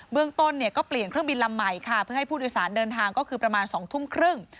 เมืองต้นเนี่ยก็เปลี่ยนเครื่องบินลำใหม่ค่ะเพื่อให้ผู้โดยสารเดินทางก็คือประมาณ๒ทุ่มครึ่ง